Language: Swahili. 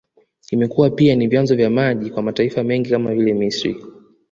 Imekuwa pia ni vyanzo vya maji kwa mataifa mengi kama vile Misri